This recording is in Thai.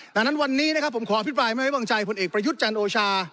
ดังนั้นวันนี้นะครับผมขออภิปรายไม่ไว้วางใจผลเอกประยุทธ์จันทร์โอชา